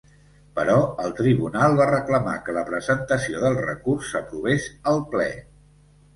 Però el tribunal va reclamar que la presentació del recurs s’aprovés al ple.